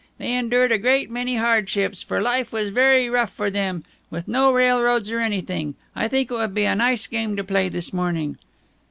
They endured a great many hardships, for life was very rough for them, with no railroads or anything. I think it would be a nice game to play this morning."